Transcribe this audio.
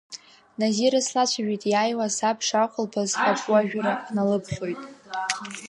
Назира слацәажәеит, иааиуа асабша ахәылԥаз каҳуажәра ҳналыԥхьоит.